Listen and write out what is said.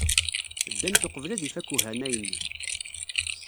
Ddant uqbel ad ifak uhanay-nni.